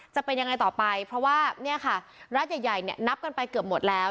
จะเป็นยังไงต่อไปเพราะว่าเนี่ยค่ะรัฐใหญ่เนี่ยนับกันไปเกือบหมดแล้ว